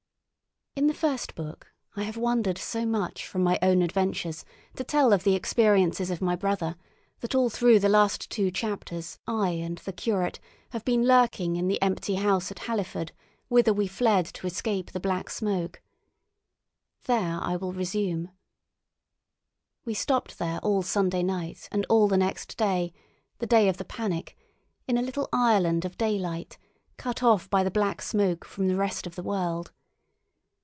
In the first book I have wandered so much from my own adventures to tell of the experiences of my brother that all through the last two chapters I and the curate have been lurking in the empty house at Halliford whither we fled to escape the Black Smoke. There I will resume. We stopped there all Sunday night and all the next day—the day of the panic—in a little island of daylight, cut off by the Black Smoke from the rest of the world.